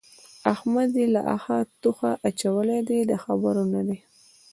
احمد يې له اخه توخه اچولی دی؛ د خبرو نه دی.